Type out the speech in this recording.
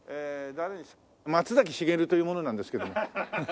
松崎しげるという者なんですけども。